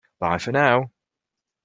Bye for now!